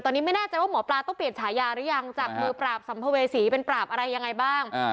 ตอนนี้ไม่แน่ใจว่าหมอปลาต้องเปลี่ยนฉายาหรือยังจากมือปราบสัมภเวษีเป็นปราบอะไรยังไงบ้าง